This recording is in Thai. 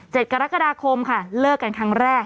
กรกฎาคมค่ะเลิกกันครั้งแรก